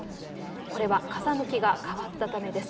これは風向きが変わったためです。